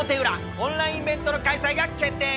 オンラインイベントの開催が決定